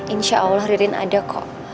insya allah ririn ada kok